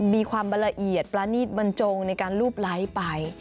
มีความละเอียดประณีตบรรจงในการรูปไลค์ไป